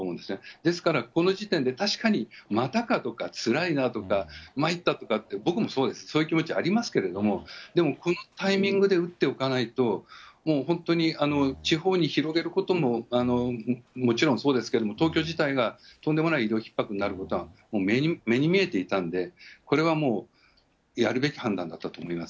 ですから、この時点で確かにまたかとか、つらいなとか、まいったとか、僕もそうです、そういう気持ちありますけれども、でもこのタイミングで打っておかないと、もう本当に地方に広げることももちろんそうですけども、東京自体がとんでもない医療ひっ迫になることは、もう目に見えていたんで、これはもうやるべき判断だったと思います。